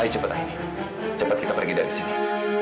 ayo cepatlah ini cepat kita pergi dari sini